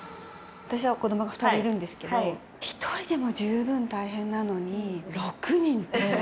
私も子ども２人いるんですけど、１人でも十分大変なのに、６人って。